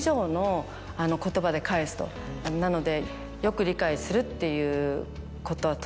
なので。